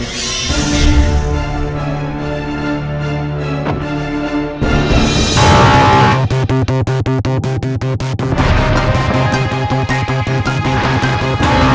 kau harus menggunakan kekuatan itu